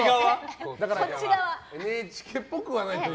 ＮＨＫっぽくはないという。